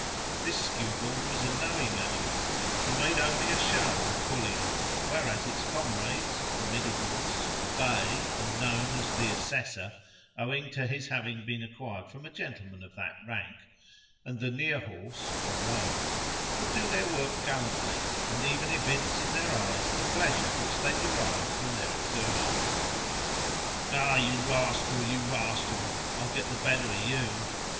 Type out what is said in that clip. This skewbald was a knowing animal, and made only a show of pulling; whereas its comrades, the middle horse (a bay, and known as the Assessor, owing to his having been acquired from a gentleman of that rank) and the near horse (a roan), would do their work gallantly, and even evince in their eyes the pleasure which they derived from their exertions. "Ah, you rascal, you rascal! I'll get the better of you!"